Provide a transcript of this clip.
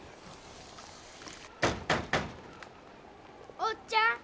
・おっちゃん。